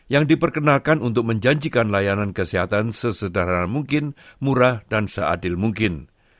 yang diperkenalkan untuk menjanjikan layanan kesehatan sesederhana mungkin murah dan seadil mungkin